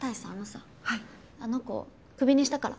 あの子クビにしたから。